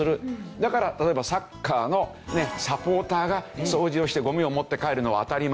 だから例えばサッカーのサポーターが掃除をしてゴミを持って帰るのは当たり前。